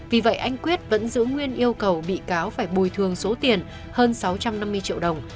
vì vậy anh quyết vẫn giữ nguyên yêu cầu bị cáo phải bồi thường số tiền hơn sáu trăm năm mươi triệu đồng